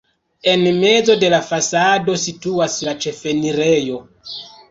En mezo de la fasado situas la ĉefenirejo.